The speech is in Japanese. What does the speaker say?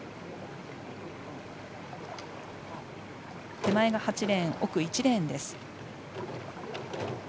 手前が８レーン奥、１レーンです。